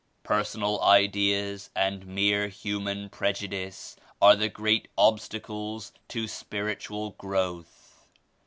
Personal ideas and mere human prejudice are the great obstacles to spiritual growth.